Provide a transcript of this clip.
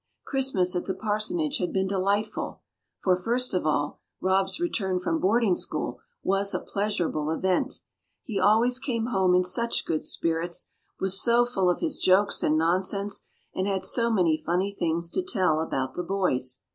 Christmas at the parsonage had been delightful, for, first of all, Rob's return from boarding school was a pleasurable event; he always came home in such good spirits, was so full of his jokes and nonsense, and had so many funny things to tell about the boys.